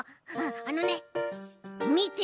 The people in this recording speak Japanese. ああのねみて！